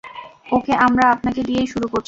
ওকে আমরা আপনাকে দিয়েই শুরু করছি।